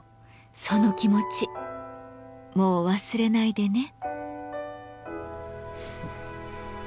その気持ちもう忘れないでね。